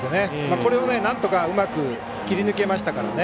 これをなんとかうまく切り抜けましたからね。